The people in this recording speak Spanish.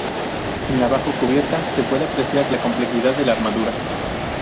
En la bajo cubierta, se puede apreciar la complejidad de la armadura.